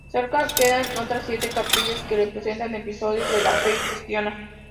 Cerca quedan otras siete capillas que representan episodios de la fe cristiana.